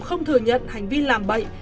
không thừa nhận hành vi làm bậy